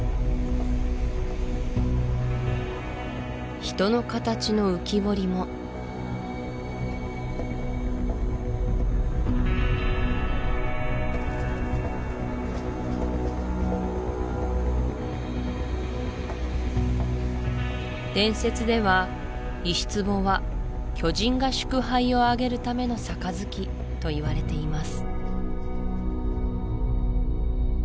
人の形の浮き彫りも伝説では石壺は「巨人が祝杯を挙げるための杯」といわれています